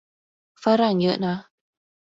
ฝรั่งเยอะนะ